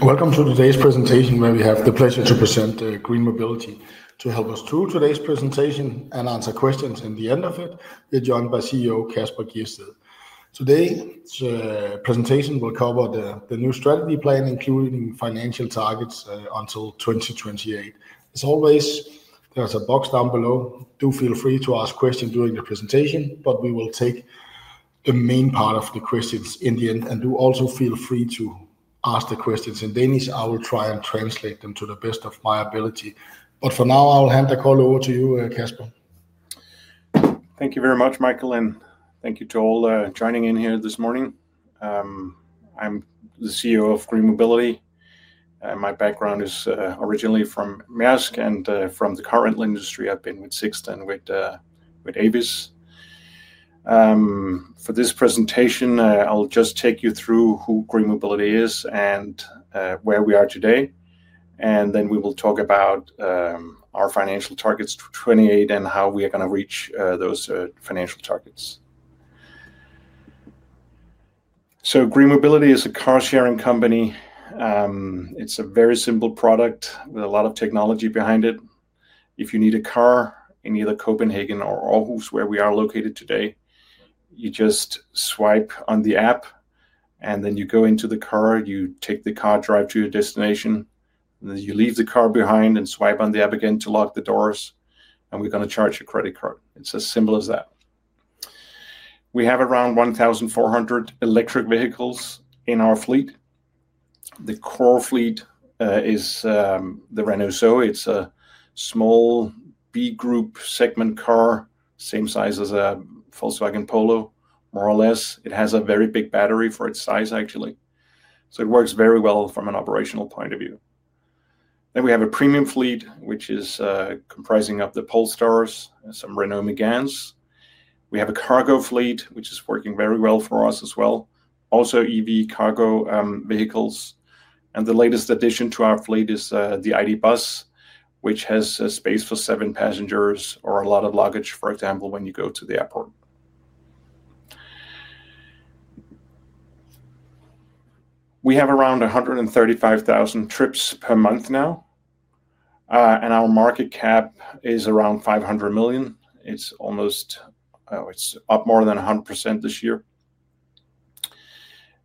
Welcome to today's presentation, where we have the pleasure to present GreenMobility. To help us through today's presentation and answer questions at the end of it, we're joined by CEO Kasper Gjedsted. Today's presentation will cover the new strategy plan, including financial targets until 2028. As always, there's a box down below. Do feel free to ask questions during the presentation, but we will take the main part of the questions in the end. Do also feel free to ask the questions in Danish. I will try and translate them to the best of my ability. For now, I'll hand the call over to you, Kasper. Thank you very much, Michael, and thank you to all joining in here this morning. I'm the CEO of GreenMobility. My background is originally from Maersk, and from the car rental industry, I've been with Sixt and with Avis. For this presentation, I'll just take you through who GreenMobility is and where we are today. We will talk about our financial targets for 2028 and how we are going to reach those financial targets. GreenMobility is a car-sharing company. It's a very simple product with a lot of technology behind it. If you need a car in either Copenhagen or Aarhus, where we are located today, you just swipe on the app, and then you go into the car, you take the car, drive to your destination, and then you leave the car behind and swipe on the app again to lock the doors, and we're going to charge your credit card. It's as simple as that. We have around 1,400 electric vehicles in our fleet. The core fleet is the Renault Zoe. It's a small B-segment car, same size as a Volkswagen Polo, more or less. It has a very big battery for its size, actually. It works very well from an operational point of view. We have a premium fleet, which is comprising of the Polestars and some Renault Méganes. We have a cargo fleet, which is working very well for us as well. Also, EV cargo vehicles. The latest addition to our fleet is the ID. Buzz, which has space for seven passengers or a lot of luggage, for example, when you go to the airport. We have around 135,000 trips per month now, and our market cap is around 500 million. It's up more than 100% this year.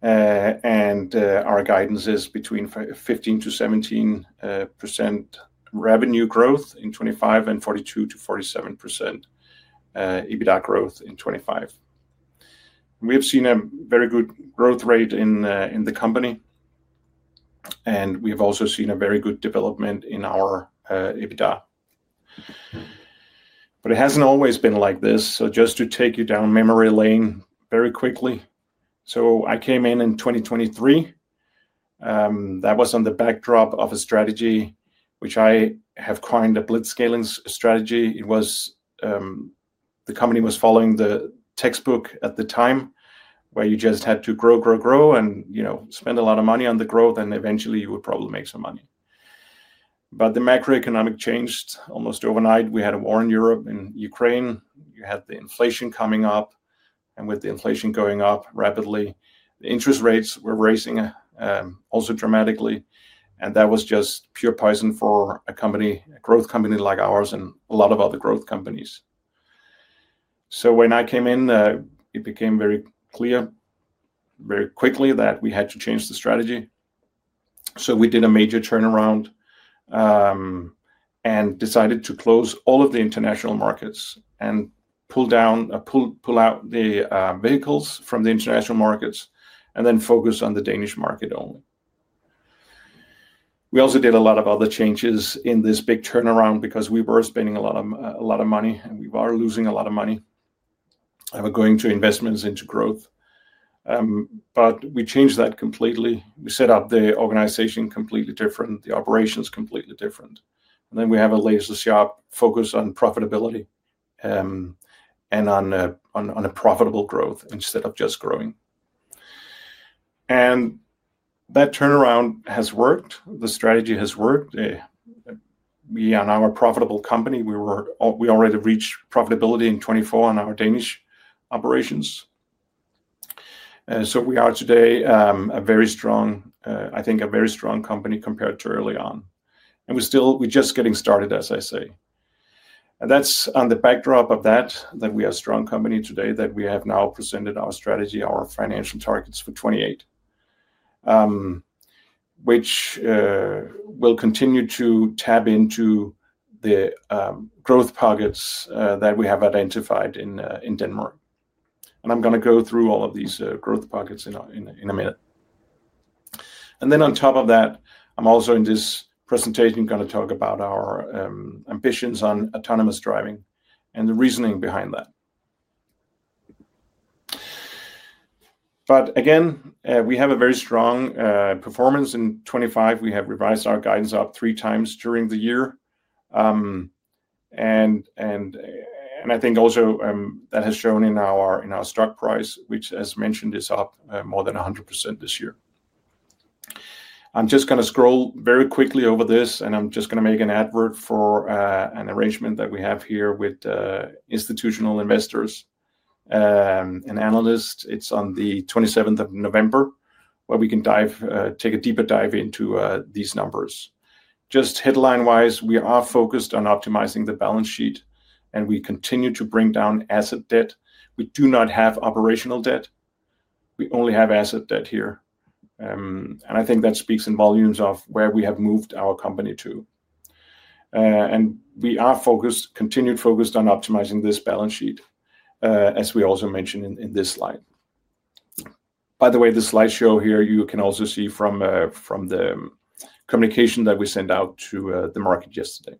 Our guidance is between 15%-17% revenue growth in 2025 and 42%-47% EBITDA growth in 2025. We have seen a very good growth rate in the company, and we have also seen a very good development in our EBITDA. It hasn't always been like this. Just to take you down memory lane very quickly, I came in in 2023. That was on the backdrop of a strategy which I have coined a Blitzscaling strategy. The company was following the textbook at the time, where you just had to grow, grow, grow and spend a lot of money on the growth, and eventually, you would probably make some money. The macroeconomic changed almost overnight. We had a war in Europe and Ukraine. You had the inflation coming up, and with the inflation going up rapidly, the interest rates were rising also dramatically. That was just pure poison for a growth company like ours and a lot of other growth companies. When I came in, it became very clear very quickly that we had to change the strategy. We did a major turnaround and decided to close all of the international markets and pull out the vehicles from the international markets and then focus on the Danish market only. We also did a lot of other changes in this big turnaround because we were spending a lot of money, and we were losing a lot of money going to investments into growth. We changed that completely. We set up the organization completely different, the operations completely different. We have a laser sharp focus on profitability and on a profitable growth instead of just growing. That turnaround has worked. The strategy has worked. Beyond our profitable company, we already reached profitability in 2024 on our Danish operations. We are today, I think, a very strong company compared to early on. We're just getting started, as I say. That is on the backdrop of that, that we are a strong company today, that we have now presented our strategy, our financial targets for 2028, which will continue to tap into the growth targets that we have identified in Denmark. I am going to go through all of these growth targets in a minute. On top of that, I am also in this presentation going to talk about our ambitions on autonomous driving and the reasoning behind that. Again, we have a very strong performance in 2025. We have revised our guidance up three times during the year. I think also that has shown in our stock price, which, as mentioned, is up more than 100% this year. I'm just going to scroll very quickly over this, and I'm just going to make an advert for an arrangement that we have here with institutional investors and analysts. It's on the 27th of November, where we can take a deeper dive into these numbers. Just headline-wise, we are focused on optimizing the balance sheet, and we continue to bring down asset debt. We do not have operational debt. We only have asset debt here. I think that speaks in volumes of where we have moved our company to. We are continued focused on optimizing this balance sheet, as we also mentioned in this slide. By the way, the slideshow here, you can also see from the communication that we sent out to the market yesterday.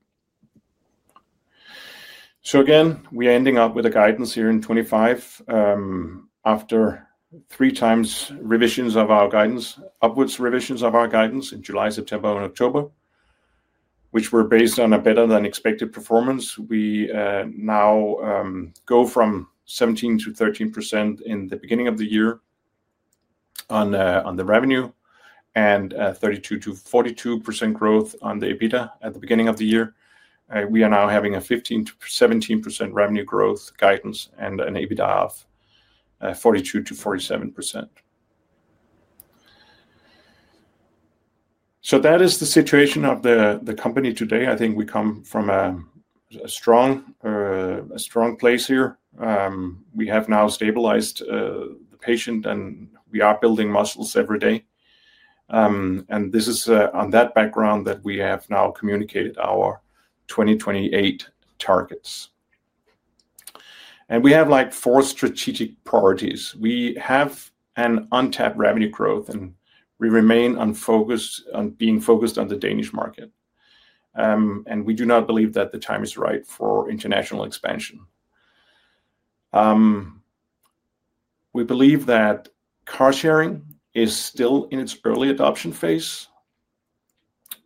Again, we are ending up with a guidance here in 2025 after three times revisions of our guidance, upwards revisions of our guidance in July, September, and October, which were based on a better-than-expected performance. We now go from 17%-13% in the beginning of the year on the revenue and 32%-42% growth on the EBITDA at the beginning of the year. We are now having a 15%-17% revenue growth guidance and an EBITDA of 42%-47%. That is the situation of the company today. I think we come from a strong place here. We have now stabilized the patient, and we are building muscles every day. This is on that background that we have now communicated our 2028 targets. We have like four strategic priorities. We have an untapped revenue growth, and we remain being focused on the Danish market. We do not believe that the time is right for international expansion. We believe that car-sharing is still in its early adoption phase.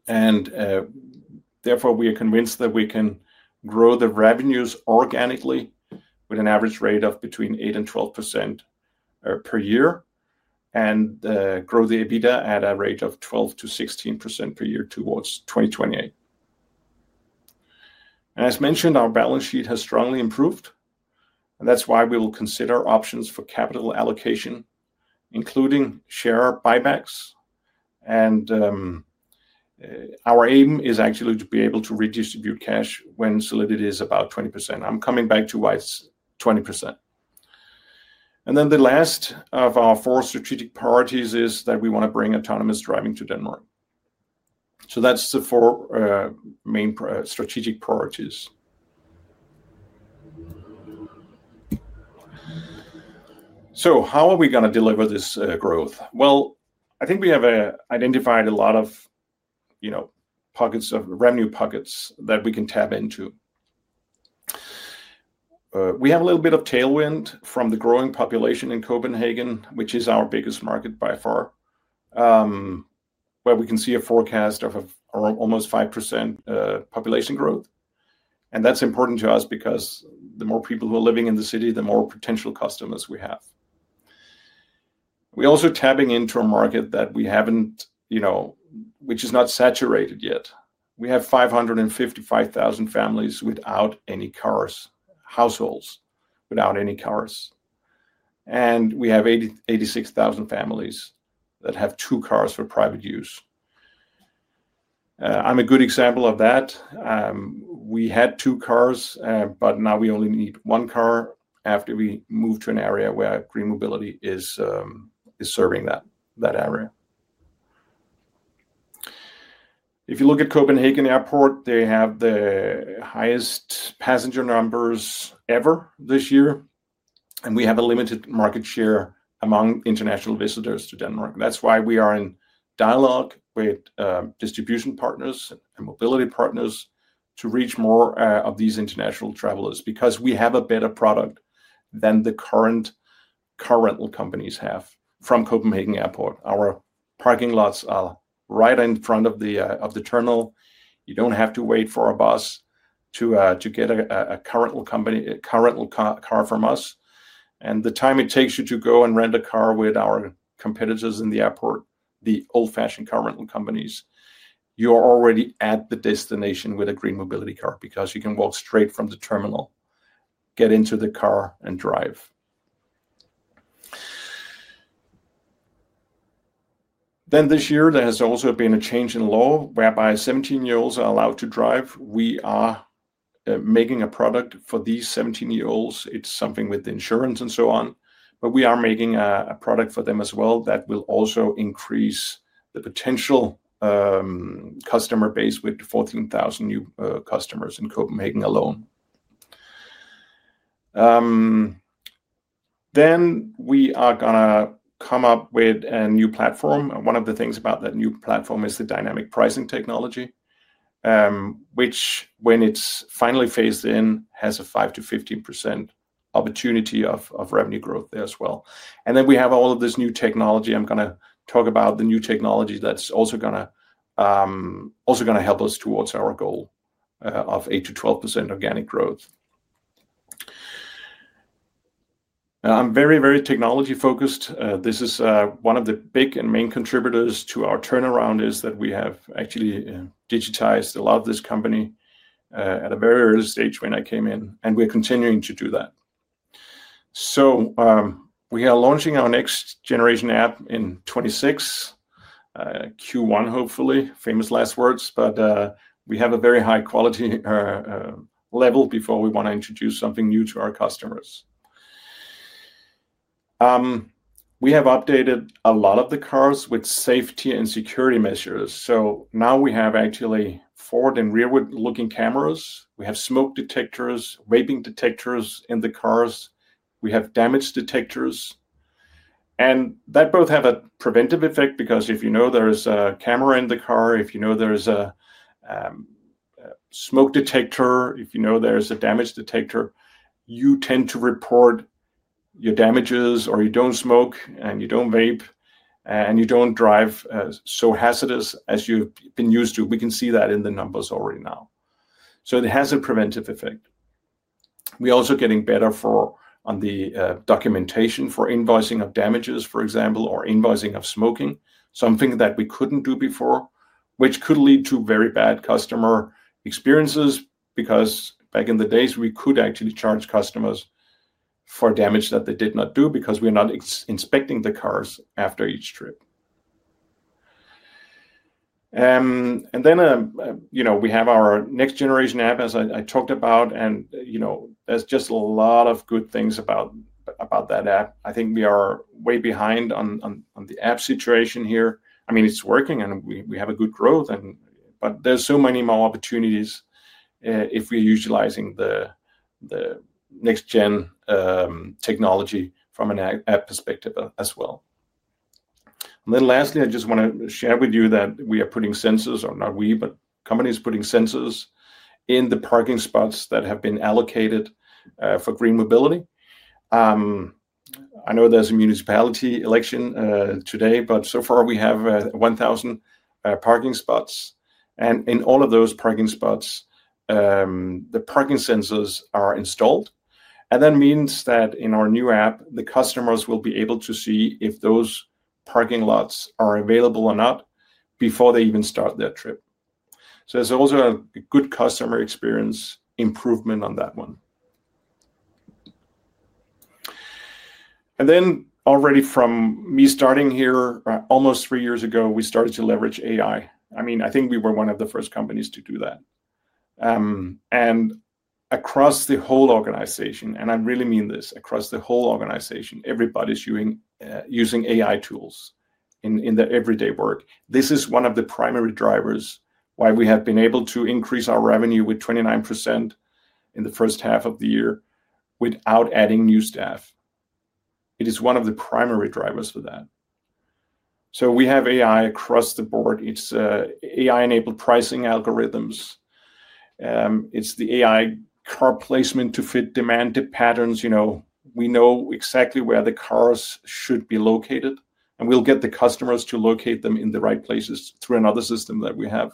Therefore, we are convinced that we can grow the revenues organically with an average rate of between 8% and 12% per year and grow the EBITDA at a rate of 12%-16% per year towards 2028. As mentioned, our balance sheet has strongly improved, and that's why we will consider options for capital allocation, including share buybacks. Our aim is actually to be able to redistribute cash when solidity is about 20%. I'm coming back to why it's 20%. The last of our four strategic priorities is that we want to bring autonomous driving to Denmark. That's the four main strategic priorities. How are we going to deliver this growth? I think we have identified a lot of revenue pockets that we can tap into. We have a little bit of tailwind from the growing population in Copenhagen, which is our biggest market by far, where we can see a forecast of almost 5% population growth. That's important to us because the more people who are living in the city, the more potential customers we have. We're also tapping into a market that we haven't, which is not saturated yet. We have 555,000 families without any cars, households without any cars. We have 86,000 families that have two cars for private use. I'm a good example of that. We had two cars, but now we only need one car after we move to an area where GreenMobility is serving that area. If you look at Copenhagen Airport, they have the highest passenger numbers ever this year, and we have a limited market share among international visitors to Denmark. That's why we are in dialogue with distribution partners and mobility partners to reach more of these international travelers because we have a better product than the current car rental companies have from Copenhagen Airport. Our parking lots are right in front of the terminal. You don't have to wait for a bus to get a car rental car from us. The time it takes you to go and rent a car with our competitors in the airport, the old-fashioned car rental companies, you're already at the destination with a GreenMobility car because you can walk straight from the terminal, get into the car, and drive. This year, there has also been a change in law whereby 17-year-olds are allowed to drive. We are making a product for these 17-year-olds. It's something with insurance and so on. We are making a product for them as well that will also increase the potential customer base with 14,000 new customers in Copenhagen alone. We are going to come up with a new platform. One of the things about that new platform is the dynamic pricing technology, which, when it's finally phased in, has a 5%-15% opportunity of revenue growth there as well. We have all of this new technology. I'm going to talk about the new technology that's also going to help us towards our goal of 8%-12% organic growth. I'm very, very technology-focused. This is one of the big and main contributors to our turnaround is that we have actually digitized a lot of this company at a very early stage when I came in, and we're continuing to do that. We are launching our next generation app in 2026, Q1, hopefully. Famous last words, but we have a very high-quality level before we want to introduce something new to our customers. We have updated a lot of the cars with safety and security measures. Now we have actually forward and rearward-looking cameras. We have smoke detectors, vaping detectors in the cars. We have damage detectors. That both have a preventive effect because if you know there's a camera in the car, if you know there's a smoke detector, if you know there's a damage detector, you tend to report your damages or you don't smoke and you don't vape and you don't drive so hazardous as you've been used to. We can see that in the numbers already now. It has a preventive effect. We're also getting better on the documentation for invoicing of damages, for example, or invoicing of smoking, something that we couldn't do before, which could lead to very bad customer experiences because back in the days, we could actually charge customers for damage that they did not do because we're not inspecting the cars after each trip. We have our next generation app, as I talked about, and there is just a lot of good things about that app. I think we are way behind on the app situation here. I mean, it is working, and we have good growth, but there are so many more opportunities if we are utilizing the next-gen technology from an app perspective as well. Lastly, I just want to share with you that we are putting sensors, or not we, but companies putting sensors in the parking spots that have been allocated for GreenMobility. I know there is a municipality election today, but so far, we have 1,000 parking spots. In all of those parking spots, the parking sensors are installed. That means that in our new app, the customers will be able to see if those parking lots are available or not before they even start their trip. There is also a good customer experience improvement on that one. And then already from me starting here, almost three years ago, we started to leverage AI. I mean, I think we were one of the first companies to do that. And across the whole organization, and I really mean this, across the whole organization, everybody's using AI tools in their everyday work. This is one of the primary drivers why we have been able to increase our revenue with 29% in the first half of the year without adding new staff. It is one of the primary drivers for that. We have AI across the board. It's AI-enabled pricing algorithms. It's the AI car placement to fit demand patterns. We know exactly where the cars should be located, and we'll get the customers to locate them in the right places through another system that we have.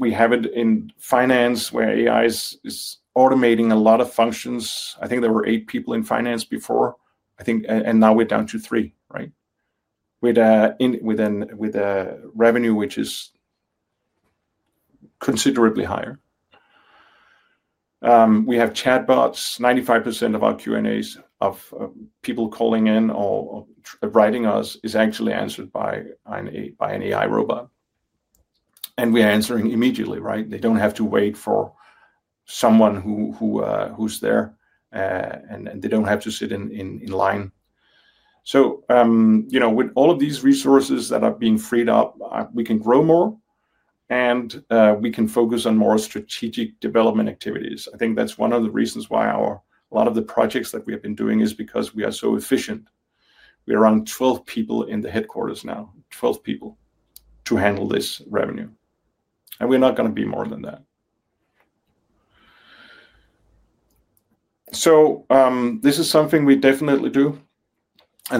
We have it in finance where AI is automating a lot of functions. I think there were eight people in finance before, and now we're down to three, right, with a revenue which is considerably higher. We have chatbots. 95% of our Q&As of people calling in or writing us is actually answered by an AI robot. We're answering immediately, right? They do not have to wait for someone who's there, and they do not have to sit in line. With all of these resources that are being freed up, we can grow more, and we can focus on more strategic development activities. I think that's one of the reasons why a lot of the projects that we have been doing is because we are so efficient. We are around 12 people in the headquarters now, 12 people to handle this revenue. We are not going to be more than that. This is something we definitely do.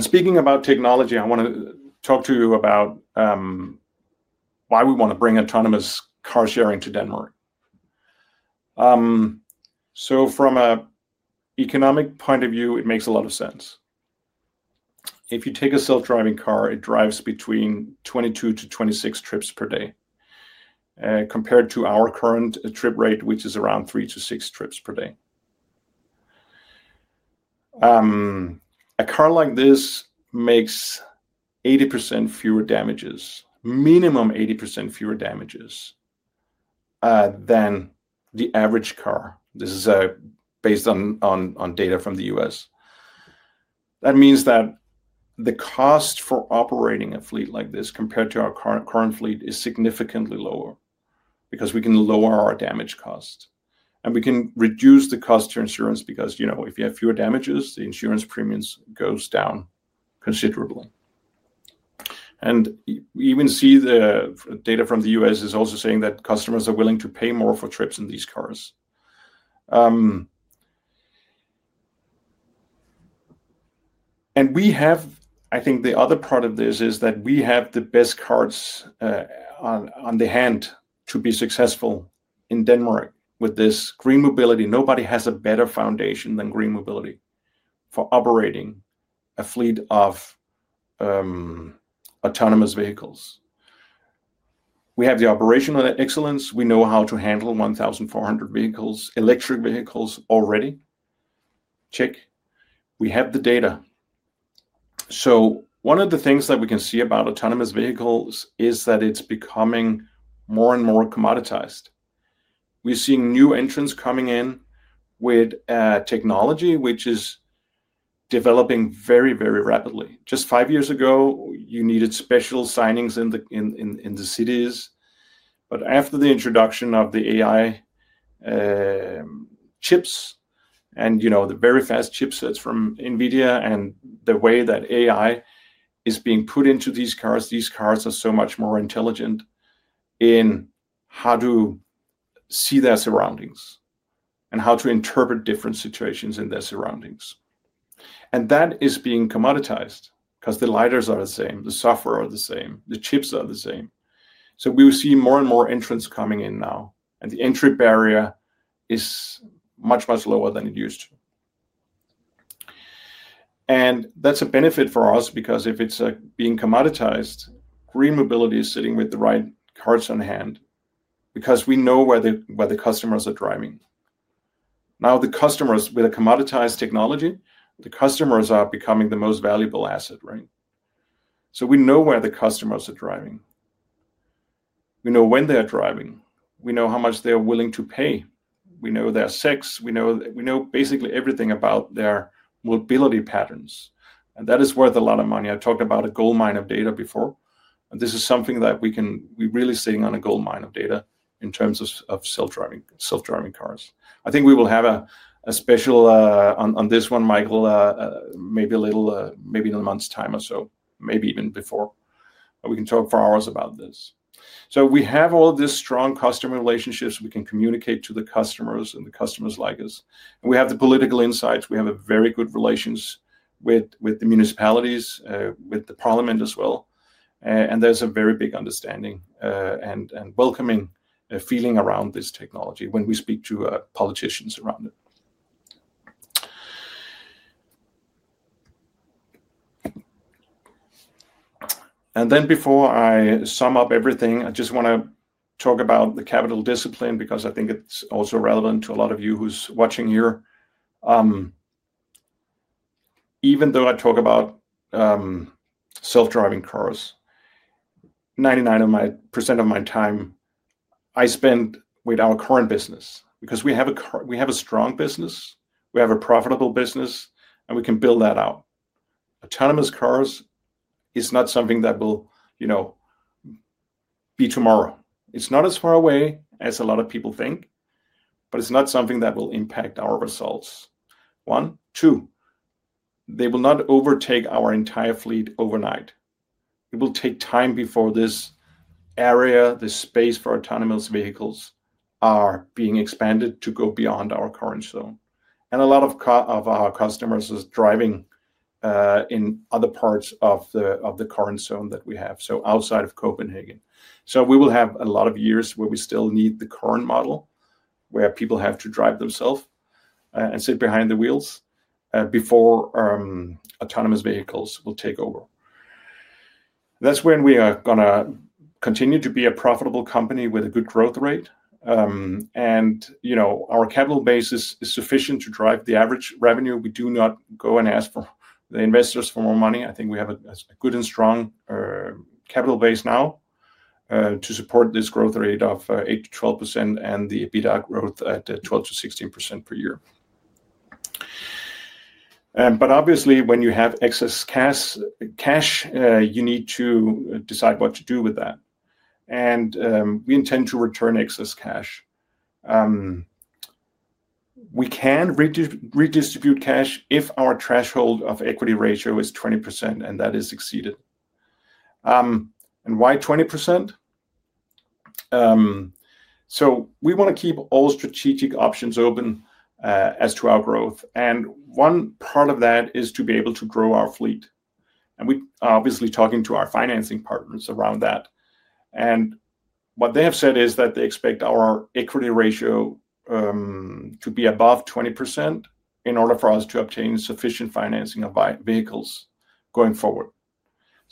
Speaking about technology, I want to talk to you about why we want to bring autonomous car-sharing to Denmark. From an economic point of view, it makes a lot of sense. If you take a self-driving car, it drives between 22-26 trips per day compared to our current trip rate, which is around three to six trips per day. A car like this makes 80% fewer damages, minimum 80% fewer damages than the average car. This is based on data from the U.S. That means that the cost for operating a fleet like this compared to our current fleet is significantly lower because we can lower our damage cost. We can reduce the cost to insurance because if you have fewer damages, the insurance premiums go down considerably. We even see the data from the U.S. is also saying that customers are willing to pay more for trips in these cars. I think the other part of this is that we have the best cards on the hand to be successful in Denmark with this GreenMobility. Nobody has a better foundation than GreenMobility for operating a fleet of autonomous vehicles. We have the operational excellence. We know how to handle 1,400 electric vehicles already. Check. We have the data. One of the things that we can see about autonomous vehicles is that it's becoming more and more commoditized. We're seeing new entrants coming in with technology, which is developing very, very rapidly. Just five years ago, you needed special signings in the cities. After the introduction of the AI chips and the very fast chipsets from NVIDIA and the way that AI is being put into these cars, these cars are so much more intelligent in how to see their surroundings and how to interpret different situations in their surroundings. That is being commoditized because the lidars are the same, the software is the same, the chips are the same. We will see more and more entrants coming in now, and the entry barrier is much, much lower than it used to be. That's a benefit for us because if it's being commoditized, GreenMobility is sitting with the right cards in hand because we know where the customers are driving. Now, the customers with a commoditized technology, the customers are becoming the most valuable asset, right? We know where the customers are driving. We know when they're driving. We know how much they're willing to pay. We know their sex. We know basically everything about their mobility patterns. And that is worth a lot of money. I talked about a gold mine of data before. This is something that we're really seeing, a gold mine of data in terms of self-driving cars. I think we will have a special on this one, Michael, maybe in a month's time or so, maybe even before. We can talk for hours about this. We have all these strong customer relationships. We can communicate to the customers and the customers like us. We have the political insights. We have very good relations with the municipalities, with the parliament as well. There is a very big understanding and welcoming feeling around this technology when we speak to politicians around it. Before I sum up everything, I just want to talk about the capital discipline because I think it's also relevant to a lot of you who's watching here. Even though I talk about self-driving cars, 99% of my time I spend with our current business because we have a strong business, we have a profitable business, and we can build that out. Autonomous cars is not something that will be tomorrow. It's not as far away as a lot of people think, but it's not something that will impact our results. One, two, they will not overtake our entire fleet overnight. It will take time before this area, this space for autonomous vehicles is being expanded to go beyond our current zone. A lot of our customers are driving in other parts of the current zone that we have, so outside of Copenhagen. We will have a lot of years where we still need the current model where people have to drive themselves and sit behind the wheels before autonomous vehicles will take over. That is when we are going to continue to be a profitable company with a good growth rate. Our capital base is sufficient to drive the average revenue. We do not go and ask the investors for more money. I think we have a good and strong capital base now to support this growth rate of 8%-12% and the EBITDA growth at 12%-16% per year. Obviously, when you have excess cash, you need to decide what to do with that. We intend to return excess cash. We can redistribute cash if our threshold of equity ratio is 20% and that is exceeded. Why 20%? We want to keep all strategic options open as to our growth. One part of that is to be able to grow our fleet. We are obviously talking to our financing partners around that. What they have said is that they expect our equity ratio to be above 20% in order for us to obtain sufficient financing of vehicles going forward.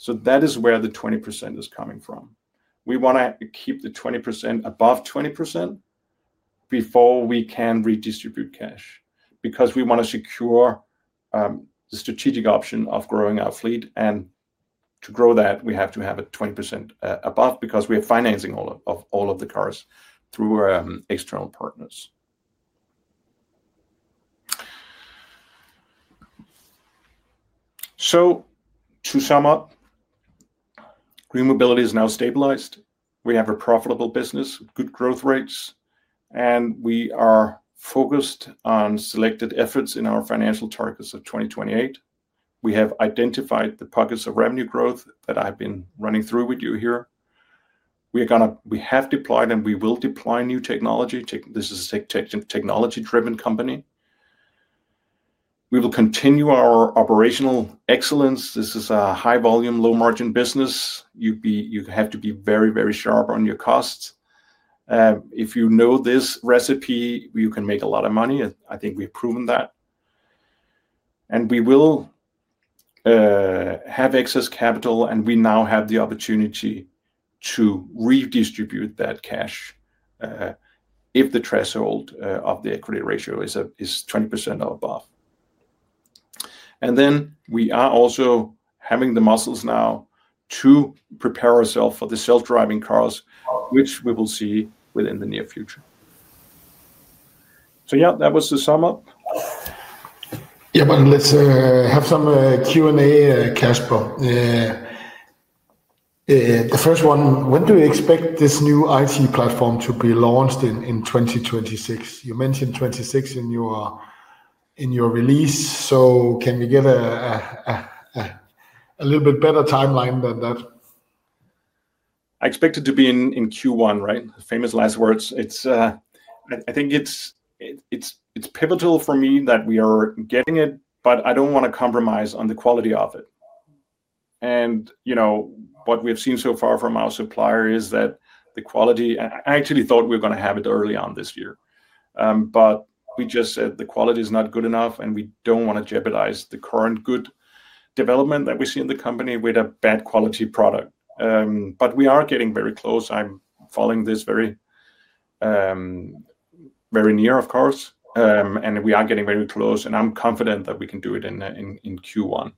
That is where the 20% is coming from. We want to keep the 20% above 20% before we can redistribute cash because we want to secure the strategic option of growing our fleet. To grow that, we have to have it 20% above because we are financing all of the cars through external partners. To sum up, GreenMobility is now stabilized. We have a profitable business, good growth rates, and we are focused on selected efforts in our financial targets of 2028. We have identified the pockets of revenue growth that I've been running through with you here. We have deployed and we will deploy new technology. This is a technology-driven company. We will continue our operational excellence. This is a high-volume, low-margin business. You have to be very, very sharp on your costs. If you know this recipe, you can make a lot of money. I think we've proven that. We will have excess capital, and we now have the opportunity to redistribute that cash if the threshold of the equity ratio is 20% or above. We are also having the muscles now to prepare ourselves for the self-driving cars, which we will see within the near future. Yeah, that was the sum up. Yeah, but let's have some Q&A, Kasper. The first one, when do you expect this new IT platform to be launched in 2026? You mentioned 26 in your release. Can we get a little bit better timeline than that? I expect it to be in Q1, right? Famous last words. I think it is pivotal for me that we are getting it, but I do not want to compromise on the quality of it. What we have seen so far from our supplier is that the quality—I actually thought we were going to have it early on this year. We just said the quality is not good enough, and we do not want to jeopardize the current good development that we see in the company with a bad quality product. We are getting very close. I am following this very near, of course. We are getting very close, and I am confident that we can do it in Q1.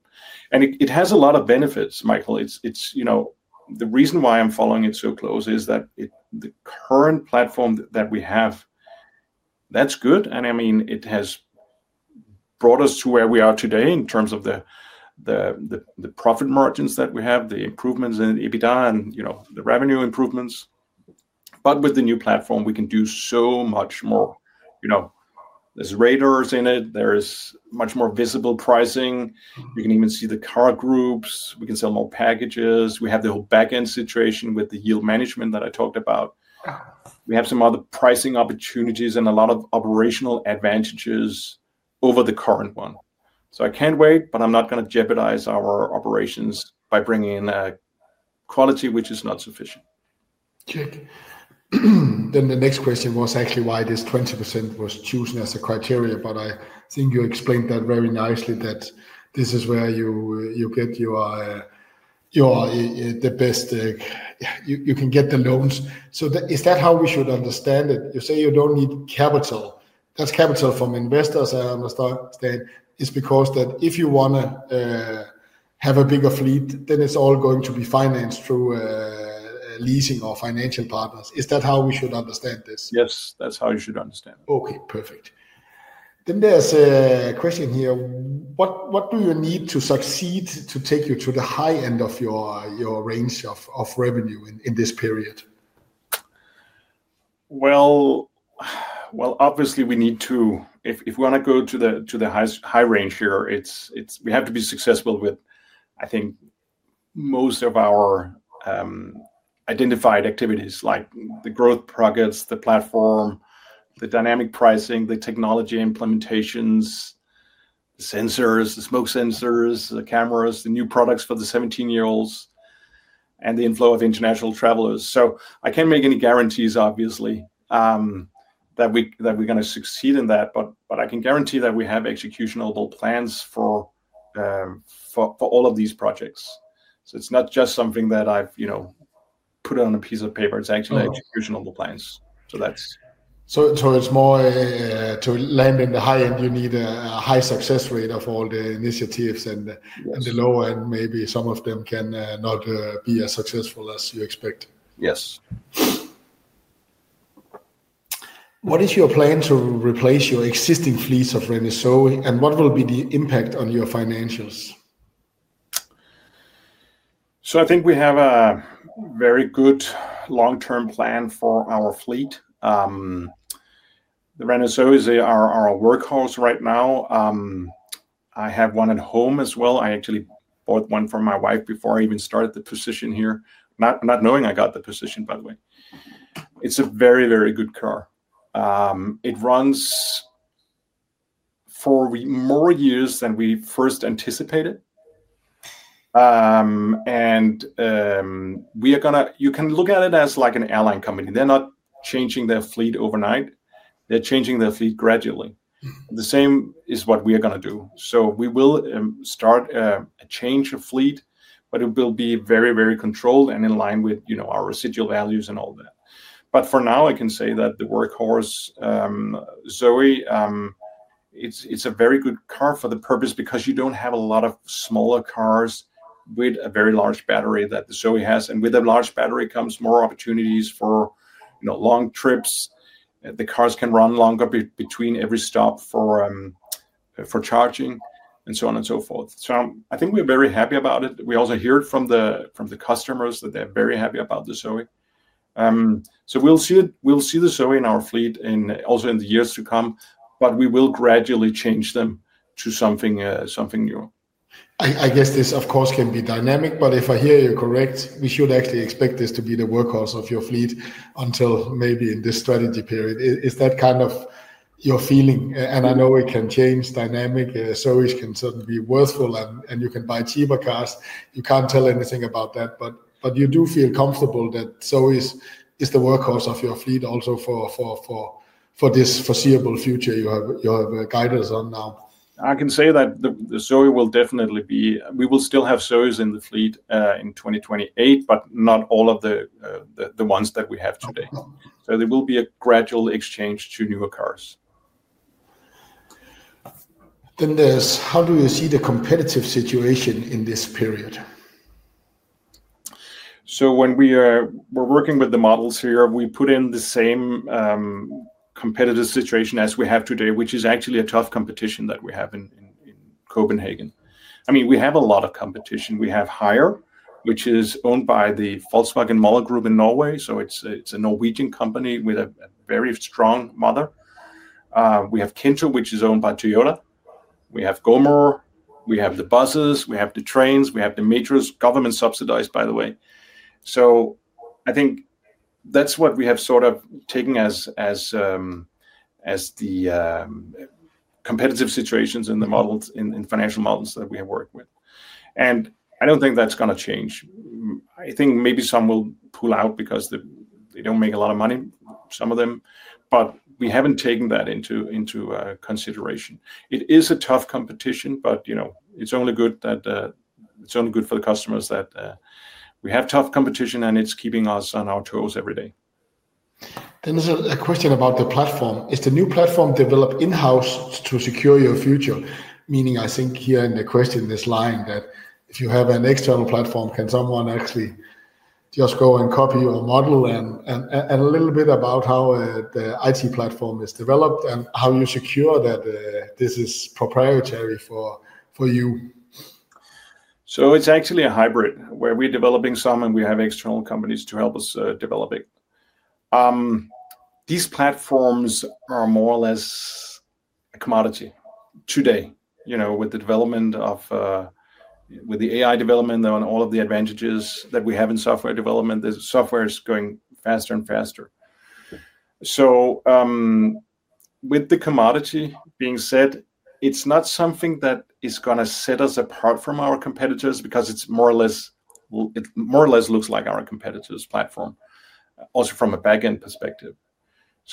It has a lot of benefits, Michael. The reason why I'm following it so close is that the current platform that we have, that's good. I mean, it has brought us to where we are today in terms of the profit margins that we have, the improvements in EBITDA, and the revenue improvements. With the new platform, we can do so much more. There's radars in it. There's much more visible pricing. You can even see the car groups. We can sell more packages. We have the whole back-end situation with the yield management that I talked about. We have some other pricing opportunities and a lot of operational advantages over the current one. I can't wait, but I'm not going to jeopardize our operations by bringing in quality which is not sufficient. Check. The next question was actually why this 20% was chosen as a criteria, but I think you explained that very nicely that this is where you get the best—you can get the loans. Is that how we should understand it? You say you do not need capital. That is capital from investors, I understand. It is because if you want to have a bigger fleet, then it is all going to be financed through leasing or financial partners. Is that how we should understand this? Yes, that is how you should understand it. Okay, perfect. There is a question here. What do you need to succeed to take you to the high end of your range of revenue in this period? Obviously, we need to—if we want to go to the high range here, we have to be successful with, I think, most of our identified activities like the growth pockets, the platform, the dynamic pricing, the technology implementations, the sensors, the smoke sensors, the cameras, the new products for the 17-year-olds, and the inflow of international travelers. I can't make any guarantees, obviously, that we're going to succeed in that, but I can guarantee that we have executable plans for all of these projects. It's not just something that I've put on a piece of paper. It's actually executable plans. To land in the high end, you need a high success rate of all the initiatives, and the lower end, maybe some of them can not be as successful as you expect. Yes. What is your plan to replace your existing fleets of Renault Zoe, and what will be the impact on your financials? I think we have a very good long-term plan for our fleet. The Renault Zoe is our workhorse right now. I have one at home as well. I actually bought one for my wife before I even started the position here, not knowing I got the position, by the way. It is a very, very good car. It runs for more years than we first anticipated. You can look at it as like an airline company. They are not changing their fleet overnight. They are changing their fleet gradually. The same is what we are going to do. We will start a change of fleet, but it will be very, very controlled and in line with our residual values and all that. For now, I can say that the workhorse Zoe, it's a very good car for the purpose because you do not have a lot of smaller cars with a very large battery that the Zoe has. With a large battery comes more opportunities for long trips. The cars can run longer between every stop for charging and so on and so forth. I think we are very happy about it. We also hear it from the customers that they are very happy about the Zoe. We will see the Zoe in our fleet and also in the years to come, but we will gradually change them to something new. I guess this, of course, can be dynamic, but if I hear you correct, we should actually expect this to be the workhorse of your fleet until maybe in this strategy period. Is that kind of your feeling? I know it can change dynamic. Zoe can certainly be worthful, and you can buy cheaper cars. You can't tell anything about that, but you do feel comfortable that Zoe is the workhorse of your fleet also for this foreseeable future you have guidance on now. I can say that the Zoe will definitely be—we will still have Zoes in the fleet in 2028, but not all of the ones that we have today. There will be a gradual exchange to newer cars. How do you see the competitive situation in this period? When we're working with the models here, we put in the same competitive situation as we have today, which is actually a tough competition that we have in Copenhagen. I mean, we have a lot of competition. We have Hyre, which is owned by the Volkswagen Group in Norway. It's a Norwegian company with a very strong mother. We have Kinto, which is owned by Toyota. We have GoMore. We have the buses. We have the trains. We have the Metros, government-subsidized, by the way. I think that's what we have sort of taken as the competitive situations in the models, in financial models that we have worked with. I don't think that's going to change. I think maybe some will pull out because they don't make a lot of money, some of them, but we haven't taken that into consideration. It is a tough competition, but it's only good for the customers that we have tough competition, and it's keeping us on our toes every day. There is a question about the platform. Is the new platform developed in-house to secure your future? Meaning, I think here in the question, there's lying that if you have an external platform, can someone actually just go and copy your model and a little bit about how the IT platform is developed and how you secure that this is proprietary for you? It is actually a hybrid where we're developing some, and we have external companies to help us develop it. These platforms are more or less a commodity today with the development of, with the AI development on all of the advantages that we have in software development. The software is going faster and faster. With the commodity being said, it's not something that is going to set us apart from our competitors because it more or less looks like our competitor's platform, also from a back-end perspective.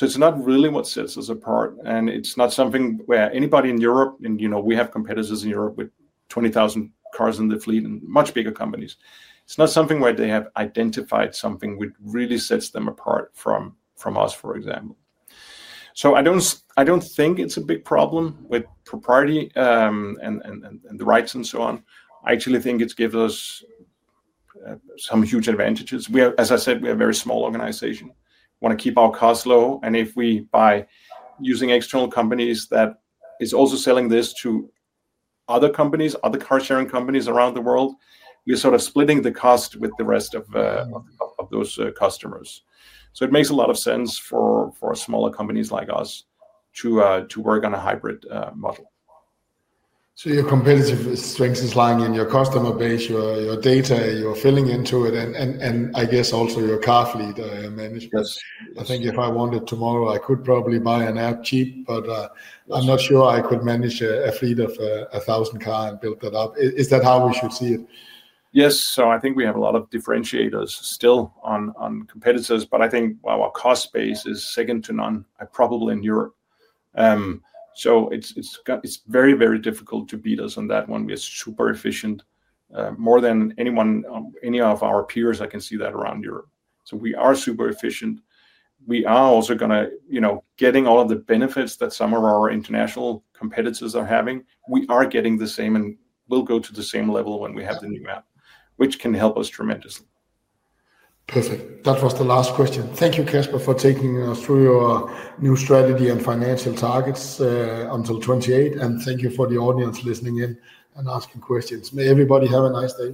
It's not really what sets us apart, and it's not something where anybody in Europe—and we have competitors in Europe with 20,000 cars in the fleet and much bigger companies—it's not something where they have identified something which really sets them apart from us, for example. I don't think it's a big problem with propriety and the rights and so on. I actually think it gives us some huge advantages. As I said, we are a very small organization. We want to keep our costs low, and if we buy using external companies that are also selling this to other companies, other car-sharing companies around the world, we're sort of splitting the cost with the rest of those customers. It makes a lot of sense for smaller companies like us to work on a hybrid model. Your competitive strength is lying in your customer base, your data, your filling into it, and I guess also your car fleet management. I think if I wanted tomorrow, I could probably buy an app cheap, but I'm not sure I could manage a fleet of 1,000 cars and build that up. Is that how we should see it? Yes. I think we have a lot of differentiators still on competitors, but I think our cost base is second to none, probably in Europe. It's very, very difficult to beat us on that one. We are super efficient, more than any of our peers, I can see that around Europe. We are super efficient. We are also going to be getting all of the benefits that some of our international competitors are having. We are getting the same and will go to the same level when we have the new app, which can help us tremendously. Perfect. That was the last question. Thank you, Kasper, for taking us through your new strategy and financial targets until 2028. And thank you for the audience listening in and asking questions. May everybody have a nice day.